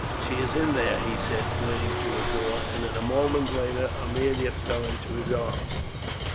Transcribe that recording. "She is in there," he said, pointing to a door, and a moment later Aemilia fell into his arms.